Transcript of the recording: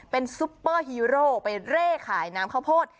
เป็นซุปเปอร์ฮีโร่ไปเร่ขายน้ำข้าวโพด